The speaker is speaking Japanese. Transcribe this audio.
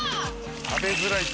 食べづらいって。